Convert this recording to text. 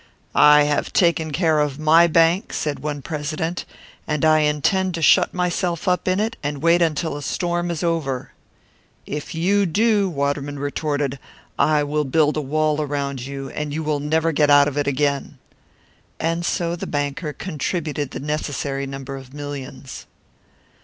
"I have taken care of my bank," said one president; "and I intend to shut myself up in it and wait until the storm is over." "If you do," Waterman retorted, "I will build a wall around you, and you will never get out of it again!" And so the banker contributed the necessary number of millions.